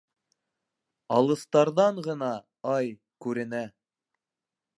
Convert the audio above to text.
Алыҫтарҙан ғына, ай, күренә